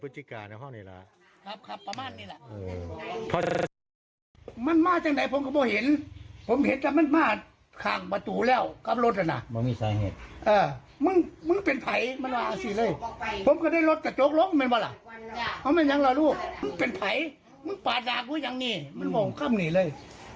ใส่เลยแม่ตีผมอ่ะกำปั้นมันอ่ะกำปั้นมันเนี่ย